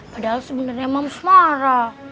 padahal sebenarnya moms marah